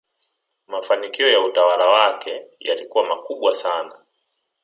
mafanikio ya utawala wake yalikuwa makubwa sana